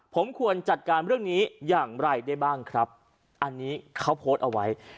ผมควรจัดการเรื่องนี้อย่างไรได้บ้างครับอันนี้เขาโพสต์เอาไว้